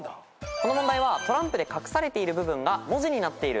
この問題はトランプで隠されている部分が文字になっている。